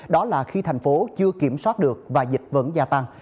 đó là khi thành phố chưa kiểm soát được và dịch vẫn gia tăng